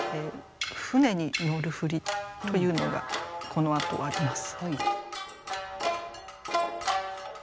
舟に乗る振りというのがこのあとあります。